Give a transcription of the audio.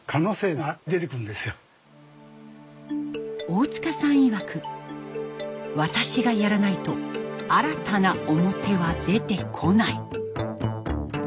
大塚さんいわく「私がやらないと新たな面は出てこない」。